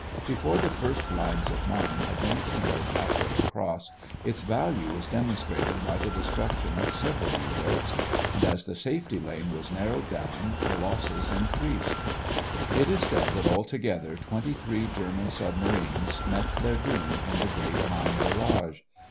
Before the first lines of mines had been extended half way across, its value was demonstrated by the destruction of several U boats, and as the safety lane was narrowed down the losses increased. It is said that altogether twenty three German submarines met their doom in the great mine barrage.